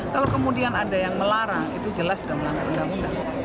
kalau kemudian ada yang melarang itu jelas sudah melanggar undang undang